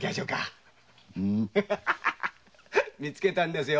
みつけたんですよ。